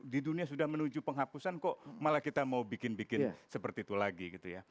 di dunia sudah menuju penghapusan kok malah kita mau bikin bikin seperti itu lagi gitu ya